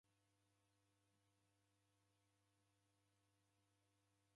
Itana ni saa imweri na iw'i.